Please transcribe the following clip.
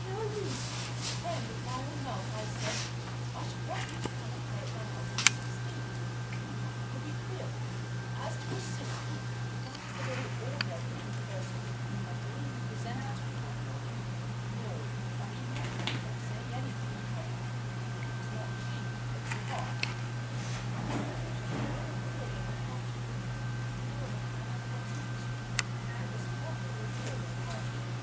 "No reason! when with my own mouth I said, 'I should like you to come and play at my house on the sixteenth.' Nothing could be clearer. As to her sister, if that is the very ordinary looking person whom I believe you presented to me one morning, no, I do not recollect saying anything to her; but it is not she who plays the harp." "She is a very agreeable and cultured woman, widow of a Canon of Westminster, and Miss Crawford goes nowhere without her."